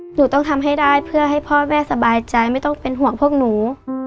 หนูต้องทำให้ได้เพื่อให้พ่อแม่สบายใจไม่ต้องเป็นห่วงพวกหนู